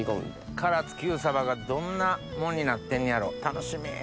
唐津Ｑサバがどんなものになってんねやろ楽しみ。